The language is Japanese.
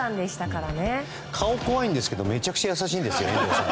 顔は怖いですけどめちゃくちゃ優しいんですよ。